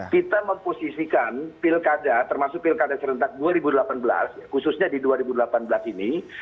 kita memposisikan pilkada termasuk pilkada serentak dua ribu delapan belas khususnya di dua ribu delapan belas ini